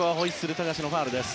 富樫のファウルです。